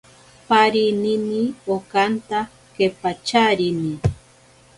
Parinini okanta kepacharini.